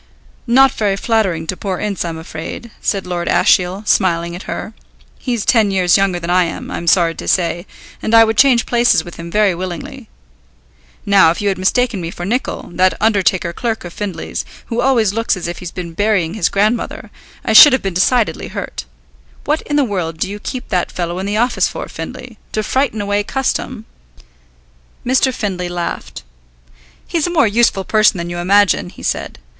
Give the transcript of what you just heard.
"Not very flattering to poor Ince I'm afraid," said Lord Ashiel, smiling at her. "He's ten years younger than I am, I'm sorry to say, and I would change places with him very willingly. Now, if you had mistaken me for Nicol, that undertaker clerk of Findlay's, who always looks as if he's been burying his grandmother, I should have been decidedly hurt. What in the world do you keep that fellow in the office for, Findlay? To frighten away custom?" Mr. Findlay laughed. "He's a more useful person than you imagine," he said.